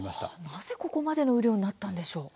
なぜここまでの雨量になったんでしょうか。